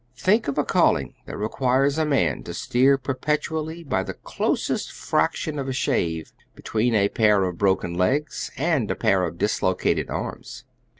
Think of a calling that requires a man to steer perpetually, by the closest fraction of a shave, between a pair of broken legs and a pair of dislocated arms!